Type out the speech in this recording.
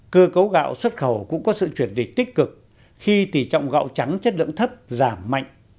cơ cấu gạo xuất khẩu cũng có sự chuyển dịch tích cực khi tỷ trọng gạo trắng chất lượng thấp giảm mạnh